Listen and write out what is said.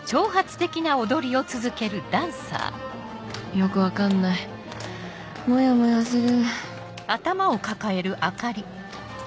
よく分かんないモヤモヤする